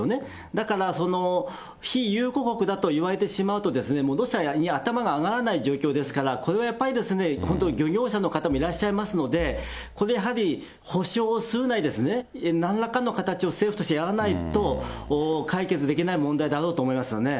だから非友好国だといわれてしまうと、ロシアに頭が上がらない状況ですから、これはやっぱり、本当に漁業者の方もいらっしゃいますので、これはやっぱり、補償をするなり、なんらかの形を政府としてやらないと、解決できない問題だろうと思いますよね。